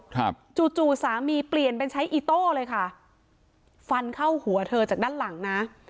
จู่จู่สามีเปลี่ยนเป็นใช้อีโต้เลยค่ะฟันเข้าหัวเธอจากด้านหลังนะ